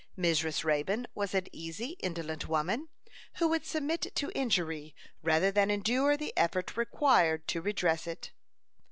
Mrs. Raybone was an easy, indolent woman, who would submit to injury rather than endure the effort required to redress it.